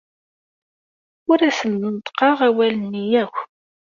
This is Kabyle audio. Ur asent-d-neṭṭqeɣ awalen-nni akk.